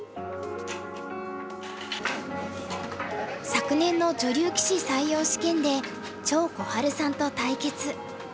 昨年の女流棋士採用試験で張心治さんと対決。